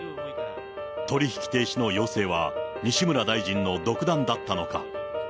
取り引き停止の要請は、西村大臣の独断だったのか。